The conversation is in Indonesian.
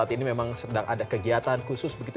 dan saat ini memang sedang ada kegiatan khusus gitu